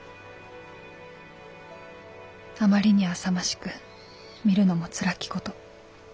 「あまりにあさましく見るのもつらきこと。